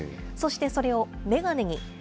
そしてそれを眼鏡に。